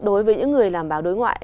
đối với những người làm báo đối ngoại